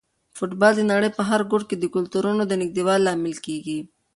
فوټبال د نړۍ په هر ګوټ کې د کلتورونو د نږدېوالي لامل کیږي.